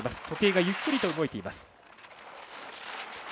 時計がゆっくりと動いています。